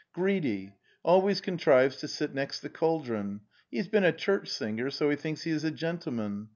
"Greedy! always contrives to sit next the cauldron. He's been a church singer, so he thinks he is a gentleman!